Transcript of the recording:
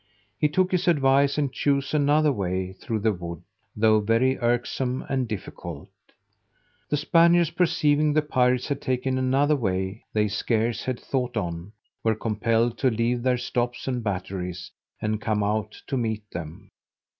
He took his advice, and chose another way through the wood, though very irksome and difficult. The Spaniards perceiving the pirates had taken another way they scarce had thought on, were compelled to leave their stops and batteries, and come out to meet them.